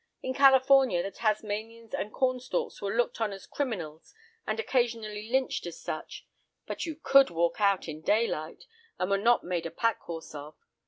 In California, the Tasmanians and Cornstalks were looked on as criminals and occasionally lynched as such, but you could walk out in daylight and were not made a pack horse of.